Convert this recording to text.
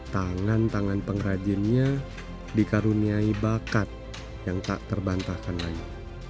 tangan tangan pengrajinnya dikaruniai bakat yang tak terbantahkan lagi